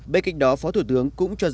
bên kịch đó phó thủ tướng cũng cho rằng